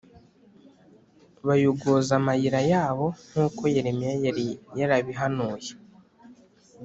bayogoza amayira yabo, nk’uko Yeremiya yari yarabihanuye.